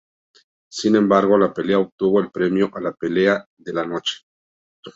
Sin embargo, la pelea obtuvo el premio a la "Pelea de la Noche".